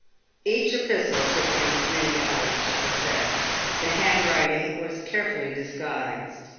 Each epistle took him many hours to perfect. The handwriting was carefully disguised.